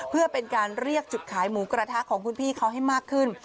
เพื่อเป็นการเรียกจุดขายหมูกระทะของคุณพี่เขาให้มากขึ้น